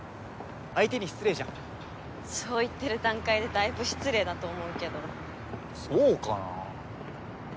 相手に失礼じゃんそう言ってる段階でだいぶ失礼だと思うけどそうかな？